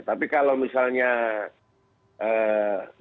tapi kalau misalnya makannya halal bihalalnya dibawa atau disiapkan secara